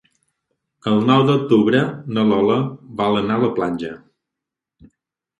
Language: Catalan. El nou d'octubre na Lola vol anar a la platja.